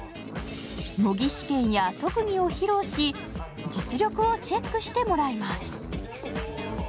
模擬試験や特技を披露し、実力をチェックしてもらいます。